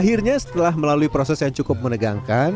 akhirnya setelah melalui proses yang cukup menegangkan